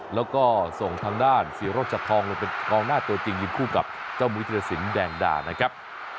แล้วก็ส่งทางด้านศรีโรชัดทองลงเป็นกองหน้าตัวจริงยิงคู่กับเจ้ามุยธิรสินแดงดานะครับ